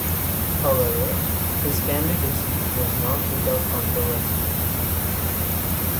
However, his candidacy was not without controversy.